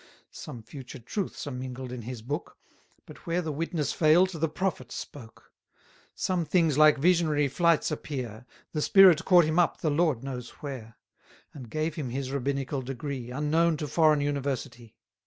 Some future truths are mingled in his book; But where the witness fail'd, the prophet spoke. Some things like visionary flights appear; The spirit caught him up the Lord knows where; And gave him his rabbinical degree, Unknown to foreign university.